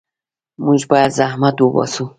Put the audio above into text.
موږ باید زحمت وباسو.